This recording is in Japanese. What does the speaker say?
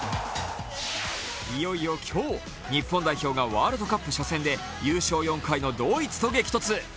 いよいよ今日、日本代表がワールドカップ初戦で優勝４回のドイツと激突。